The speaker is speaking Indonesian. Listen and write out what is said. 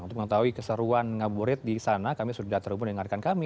untuk mengetahui keseruan ngabuburit di sana kami sudah terhubung dengan rekan kami